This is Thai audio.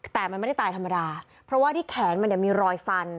แต่มันไม่ได้ตายธรรมดาเพราะว่าที่แขนมันเนี่ยมีรอยฟัน